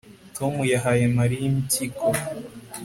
Tom yahaye Mariya impyiko